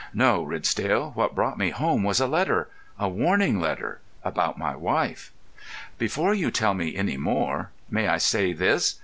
"No, Ridsdale, what brought me home was a letter—a warning letter—about my wife." "Before you tell me any more, may I say this?